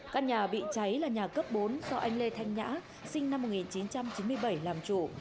căn nhà bị cháy là nhà cấp bốn do anh lê thanh nhã sinh năm một nghìn chín trăm chín mươi bảy làm chủ